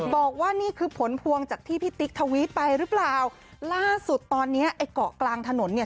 บอกว่านี่คือผลพวงจากที่พี่ติ๊กทวีตไปหรือเปล่าล่าสุดตอนเนี้ยไอ้เกาะกลางถนนเนี่ย